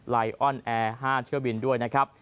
ไลออนแอร์๕เที่ยวบินด้วยนะครับ